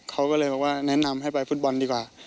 เขาก็เลยบอกว่าแนะนำให้ไปฟุตบอลดีกว่า